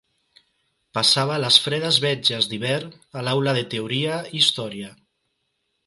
Passava les fredes vetlles d'hivern a l'aula de Teoria i Història